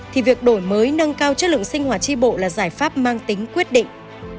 thì việc đổi mới nâng cao chất lượng sinh hoạt tri bộ là giải pháp mang tính quyết định